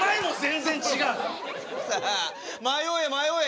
さあ迷え迷え。